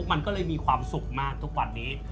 มันก็เลยมีความสุขมากทุกวันนี้